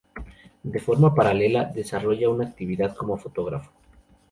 De forma paralela desarrolla una actividad como fotógrafo.